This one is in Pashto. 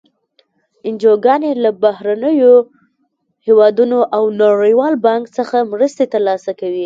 انجوګانې له بهرنیو هېوادونو او نړیوال بانک څخه مرستې تر لاسه کوي.